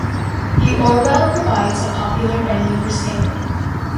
The Orwell provides a popular venue for sailing.